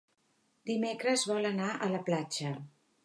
Dimecres vol anar a la platja.